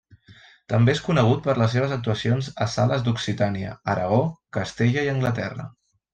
També és conegut per les seves actuacions a sales d'Occitània, Aragó, Castella i Anglaterra.